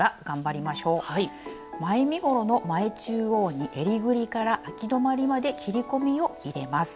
前身ごろの前中央にえりぐりからあき止まりまで切り込みを入れます。